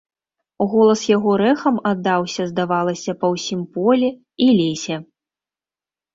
Голас яго рэхам аддаўся, здавалася, па ўсім полі і лесе.